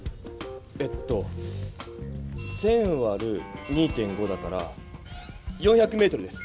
えっと１０００わる２．５だから４００メートルです。